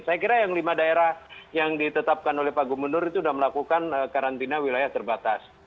saya kira yang lima daerah yang ditetapkan oleh pak gubernur itu sudah melakukan karantina wilayah terbatas